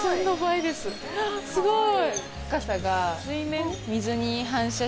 すごい！